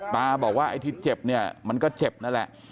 ตาบอกว่าไอ้ที่เจ็บเนี่ยมันก็เจ็บนั่นแหละ